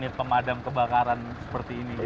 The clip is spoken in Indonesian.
untuk pemadam kebakaran seperti ini pak yudi